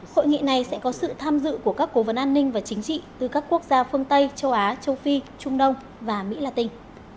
hội nghị này sẽ có sự tham dự của các cố vấn an ninh và chính trị từ các quốc gia phương tây châu á châu phi trung đông và mỹ latin